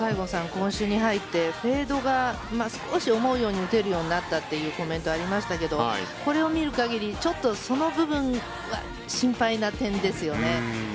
今週に入ってフェードが少し思うように打てるようになったというコメントがありましたけどこれを見る限りちょっとその部分は心配な点ですよね。